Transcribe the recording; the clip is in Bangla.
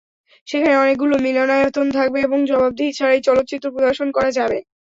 সেখানে অনেকগুলো মিলনায়তন থাকবে এবং জবাবদিহি ছাড়াই চলচ্চিত্র প্রদর্শন করা যাবে।